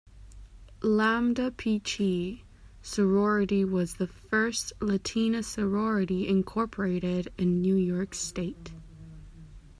Lambda Pi Chi Sorority was the first Latina sorority incorporated in New York state.